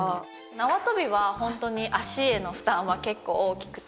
縄跳びはホントに脚への負担は結構大きくて。